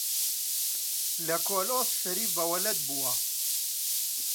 لە کۆلۆس شەریف بە وەلەد بووە